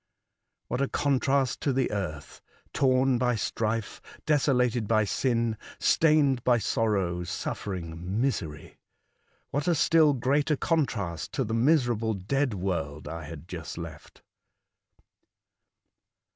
What a contrast to the earth — torn by strife, desolated by sin, stained by sorrow, suffering, misery ! What a still greater contrast to the miserable dead world I had just left